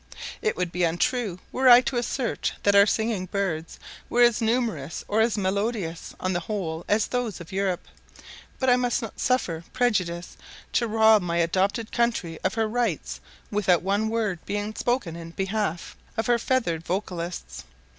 It would be untrue were I to assert that our singing birds were as numerous or as melodious on the whole as those of Europe; but I must not suffer prejudice to rob my adopted country of her rights without one word being spoken in behalf of her feathered vocalists.